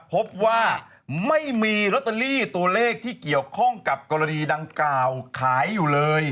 พบว่าไม่มีลอตเตอรี่ตัวเลขที่เกี่ยวข้องกับกรณีดังกล่าวขายอยู่เลย